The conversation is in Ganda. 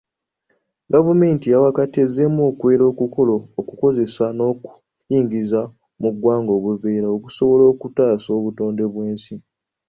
Gavumenti eya wakati ezzeemu okuwera okukola, okukozesa n'okuyingiza muggwanga obuveera, okusobola okutaasa obutonde bw'ensi.